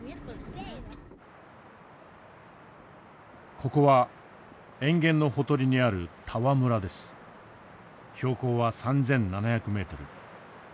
ここは塩原のほとりにある標高は３，７００メートル。